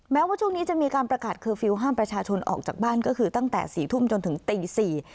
แม้ว่าช่วงนี้จะมีการประกาศเคอร์ฟิลล์ห้ามประชาชนออกจากบ้านก็คือตั้งแต่สี่ทุ่มจนถึงตีสี่